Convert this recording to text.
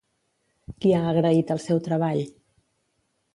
Qui ha agraït el seu treball?